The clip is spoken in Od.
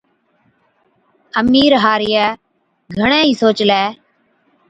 امِير هارِيئَي گھڻَي ئِي سوچلَي،